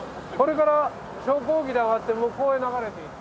これから昇降機で上がって向こうへ流れていく。